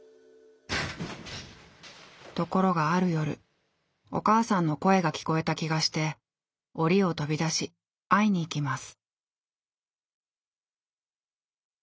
ところがある夜お母さんの声が聞こえた気がして檻を飛び出し会いに行きます。